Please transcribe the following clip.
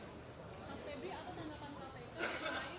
mas febri apa tanggapan kpk untuk memainkan upaya keburu hukum dari sudiano panto